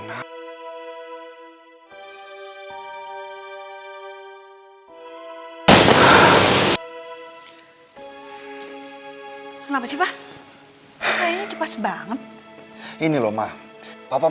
ya allah bapak